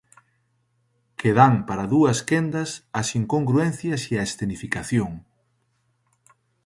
Que dan para dúas quendas as incongruencias e a escenificación.